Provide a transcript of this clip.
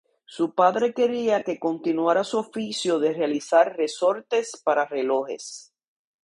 Su padre quería que continuara su oficio de realizar resortes para relojes.